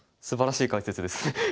すばらしい解説ですね。